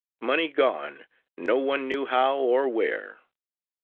Money gone no one knew how or where.